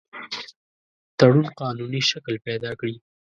تړون قانوني شکل پیدا کړي.